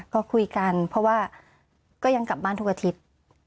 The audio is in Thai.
ก็คุยกันเพราะว่าก็ยังกลับบ้านทุกอาทิตย์